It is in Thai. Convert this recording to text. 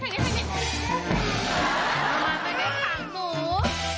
แมมม้าไม่ได้ขังหนู